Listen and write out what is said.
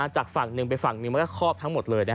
จากฝั่งหนึ่งไปฝั่งหนึ่งมันก็คอบทั้งหมดเลย